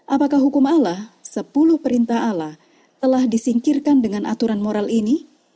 apakah hukum allah sepuluh perintah allah telah disingkirkan dengan aturan moral ini